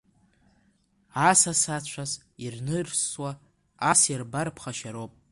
Асас-ацәас ирнысуа ас ирбар ԥхашьароуп…